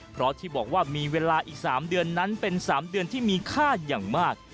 เพราะที่บอกว่ามีเวลาอีก๓เดือนนั้นเป็น๓เดือนที่มีค่าอย่างมาก